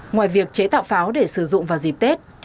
ngoài việc chế tạo pháo để sử dụng vào dịp tết